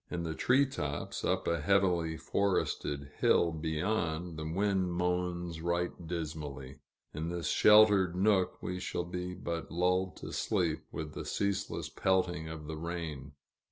In the tree tops, up a heavily forested hill beyond, the wind moans right dismally. In this sheltered nook, we shall be but lulled to sleep with the ceaseless pelting of the rain.